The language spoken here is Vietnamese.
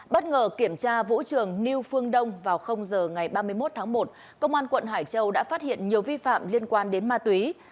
bất ngờ kiểm tra vũ trường new phương đông vào h ngày ba mươi một tháng một công an quận hải châu đã phát hiện nhiều vi phạm liên quan đến ma túy